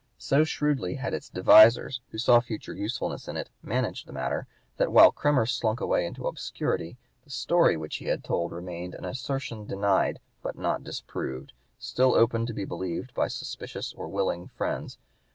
So shrewdly had its devisers who saw future usefulness in it managed the matter, that while Kremer slunk away into obscurity, the story which he had told remained an assertion denied, but not disproved, still open to be believed by suspicious or willing friends.